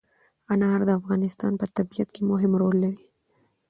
انار د افغانستان په طبیعت کې مهم رول لري.